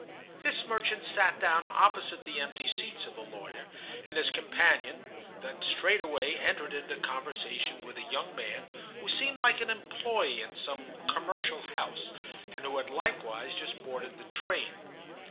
This merchant sat down opposite the empty seats of the lawyer and his companion, and straightway entered into conversation with a young man who seemed like an employee in some commercial house, and who had likewise just boarded the train.